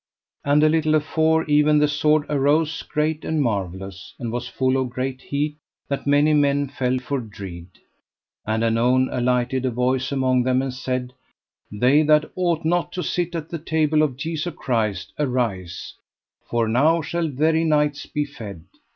And a little afore even the sword arose great and marvellous, and was full of great heat that many men fell for dread. And anon alighted a voice among them, and said: They that ought not to sit at the table of Jesu Christ arise, for now shall very knights be fed.